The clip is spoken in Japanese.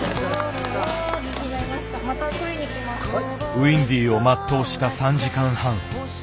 ウインディを全うした３時間半。